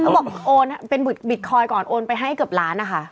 บอกโอนเป็นบิตคอยน์ก่อนโอนไปให้เกือบล้านนะคะ